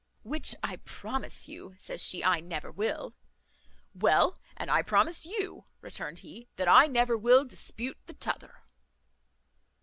"Which I promise you," says she, "I never will." "Well, and I promise you," returned he, "that I never will dispute the t'other."